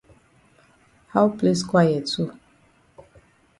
How place quiet so?